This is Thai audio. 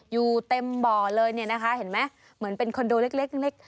อยู่เต็มบ่อเลยเนี่ยนะคะเห็นไหมเหมือนเป็นคอนโดเล็ก